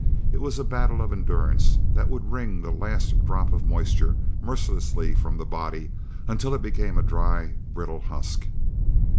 It was a battle of endurance that would wring the last drop of moisture mercilessly from the body, until it became a dry, brittle husk.